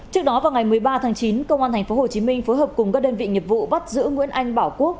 trước đó vào ngày một mươi ba tháng chín công an tp hcm phối hợp cùng các đơn vị nghiệp vụ bắt giữ nguyễn anh bảo quốc